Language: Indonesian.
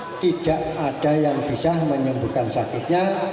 tidak ada yang bisa menyembuhkan sakitnya